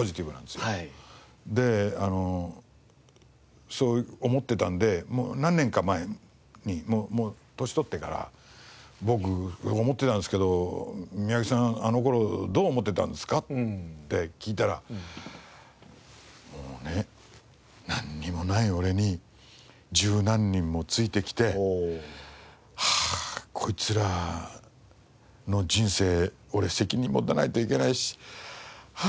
であのそう思ってたんで何年か前にもう年取ってから「僕思ってたんですけど三宅さんあの頃どう思ってたんですか？」って聞いたら「もうねなんにもない俺に十何人もついてきてはあこいつらの人生俺責任持たないといけないしあ